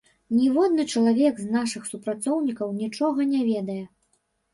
Ніводны чалавек з нашых супрацоўнікаў нічога не ведае.